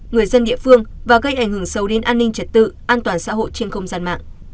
người dân địa phương và gây ảnh hưởng sâu đến an ninh trật tự an toàn xã hội trên không gian mạng